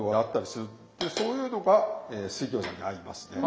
そういうのが水餃子に合いますね。